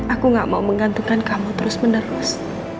aku gak mau menggantungkan kamu terus menerus